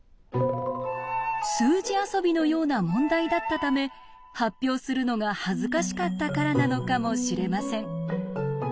数字遊びのような問題だったため発表するのが恥ずかしかったからなのかもしれません。